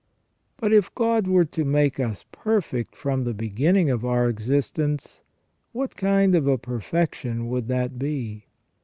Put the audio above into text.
But if God were to make us perfect from the beginning of our existence, what kind of a perfection would that be